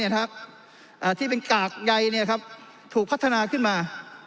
ที่เป็นกากใยถูกพัฒนาขึ้นมา